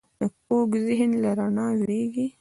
کوږ ذهن له رڼا وېرېږي